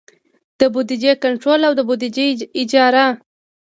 د بودیجې کنټرول او د بودیجې اجرا.